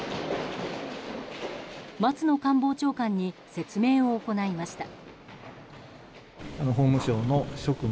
松野官房長官に説明を行いました。